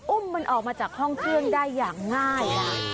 อุ้มมันออกมาจากห้องเครื่องได้อย่างง่าย